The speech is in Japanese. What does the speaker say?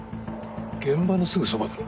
現場のすぐそばだな。